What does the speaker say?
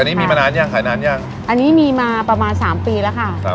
อันนี้มีมานานยังขายนานยังอันนี้มีมาประมาณสามปีแล้วค่ะครับ